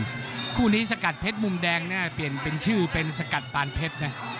หัวผู้ใดที่กัดพี่มูมแดงมีชื่อเป็นสกัดปานเพชรนะครับ